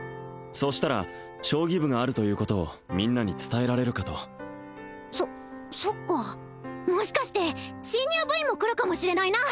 そうしたら将棋部があるということをみんなに伝えられるかとそそっかもしかして新入部員も来るかもしれないな